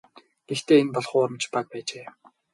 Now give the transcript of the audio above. Гэхдээ энэ бол хуурамч баг байжээ.